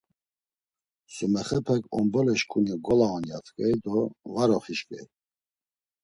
Sumexepek Ombole şǩuni ngola on. ya t̆ǩvey do var oxişǩvey.